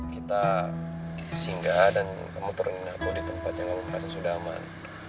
kita singgah dan kamu turun aku di tempat yang kamu merasa sudah aman